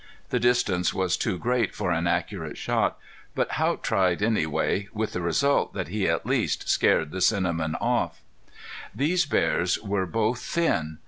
The distance was too great for an accurate shot, but Haught tried anyway, with the result that he at least scared the cinnamon off. These bear were both thin.